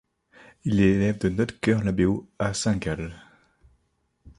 Il est l’élève de Notker Labeo à Saint-Gall.